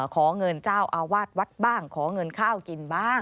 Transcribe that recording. ขอเงินเจ้าอาวาสวัดบ้างขอเงินข้าวกินบ้าง